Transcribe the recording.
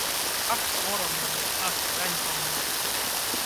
Ах, сорам мне, ах, ганьба мне!